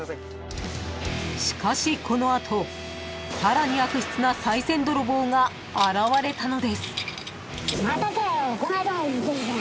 ［しかしこの後さらに悪質なさい銭ドロボーが現れたのです］